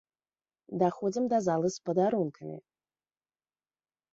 Даходзім да залы з падарункамі.